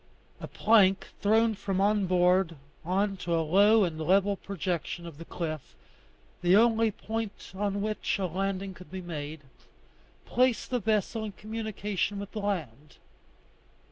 A plank thrown from on board on to a low and level projection of the cliff, the only point on which a landing could be made, placed the vessel in communication with the land.